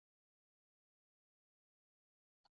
默多克和南方电视有线得到了第九频道。